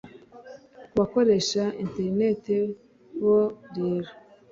Ku bakoresha internet bo rero